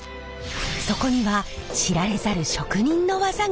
そこには知られざる職人の技があったんです。